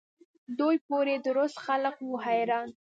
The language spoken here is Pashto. دوی پوري درست خلق وو حیران.